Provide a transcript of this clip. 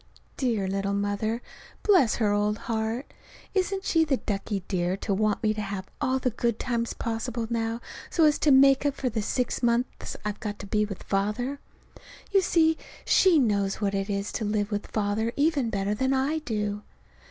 Dear little Mother! Bless her old heart! Isn't she the ducky dear to want me to have all the good times possible now so as to make up for the six months I've got to be with Father? You see, she knows what it is to live with Father even better than I do.